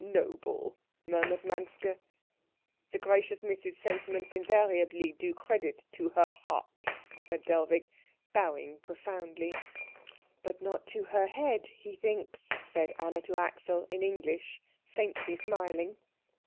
"Noble," murmured Manske. "The gracious Miss's sentiments invariably do credit to her heart," said Dellwig, bowing profoundly. "But not to her head, he thinks," said Anna to Axel in English, faintly smiling.